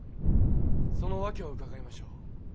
その訳を伺いましょう。